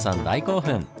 大興奮！